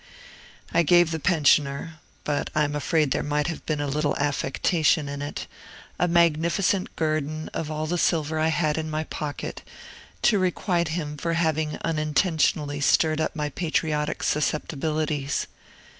I gave the pensioner (but I am afraid there may have been a little affectation in it) a magnificent guerdon of all the silver I had in my pocket, to requite him for having unintentionally stirred up my patriotic susceptibilities.